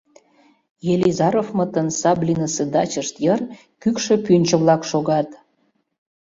Елизаровмытын Саблинысе дачышт йыр кӱкшӧ пӱнчӧ-влак шогат.